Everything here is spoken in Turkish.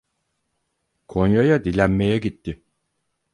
Konya'ya dilenmeye gitti.